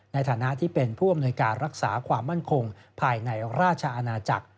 ในฐานะที่เป็นผู้อำนวยการรักษาความมั่นคงภายในราชอาณาจักร